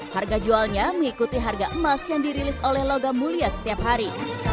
harga jualnya mengikuti harga emas yang dirilis oleh logam mulia setiap hari